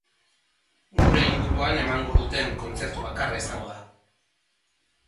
Gure inguruan emango duten kontzertu bakarra izango da.